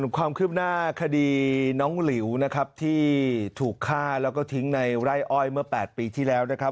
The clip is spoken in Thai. ความคืบหน้าคดีน้องหลิวนะครับที่ถูกฆ่าแล้วก็ทิ้งในไร่อ้อยเมื่อ๘ปีที่แล้วนะครับ